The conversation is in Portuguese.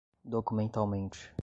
documentalmente